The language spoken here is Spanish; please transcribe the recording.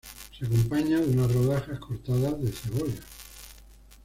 Se acompaña de unas rodajas cortadas de cebolla.